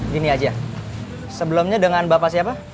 gini aja sebelumnya dengan bapak siapa